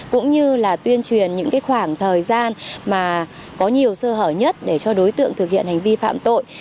cũng như là tuyên truyền những khoảng thời gian mà có nhiều sơ hở nhất để cho đối tượng thực hiện hành vi phạm tội